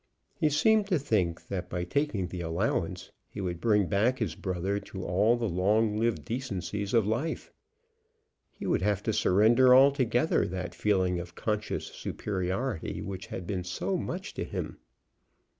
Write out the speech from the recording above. He seemed to think that by taking the allowance he would bring back his brother to all the long lived decencies of life. He would have to surrender altogether that feeling of conscious superiority which had been so much to him.